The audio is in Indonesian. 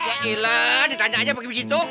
ya elah ditanya aja pake begitu